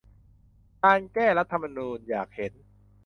การ แก้รัฐธรรมนูญ อยากเห็น